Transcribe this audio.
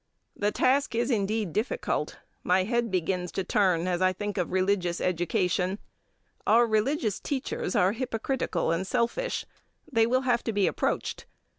The task is indeed difficult. My head begins to turn as I think of religious education. Our religious teachers are hypocritical and selfish; they will have to be approached.